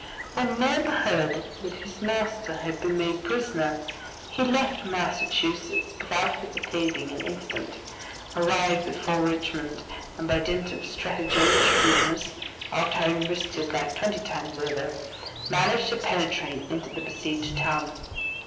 When Neb heard that his master had been made prisoner, he left Massachusetts without hesitating an instant, arrived before Richmond, and by dint of stratagem and shrewdness, after having risked his life twenty times over, managed to penetrate into the besieged town.